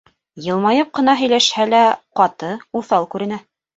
Йылмайып ҡына һөйләшһә лә, ҡаты, уҫал күренә.